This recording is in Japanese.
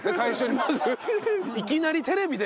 いきなりテレビで。